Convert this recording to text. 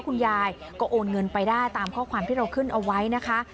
คุณยายก็โอนเงินไปได้ตามข้อความที่เราขึ้นเอาไว้นะคะ